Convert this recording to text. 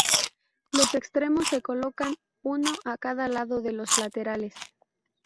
Los extremos se colocan uno a cada lado de los laterales.